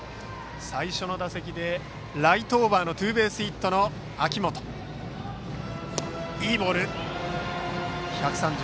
最初の打席でライトオーバーのツーベースヒットの秋元がバッターボックス。